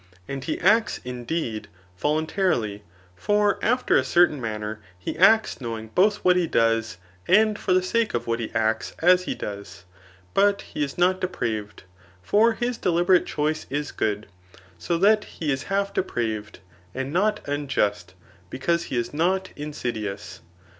And he acts, indeed, voluntarily ; for after a certain manner he acts knowing both what he does, and for the sake of what he acts as he does. But he is not depraved ; for his deliberate choice is good ; so that he is half depraved, and not unjust, because he is not insidious.